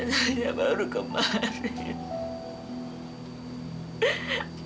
saya baru kemarin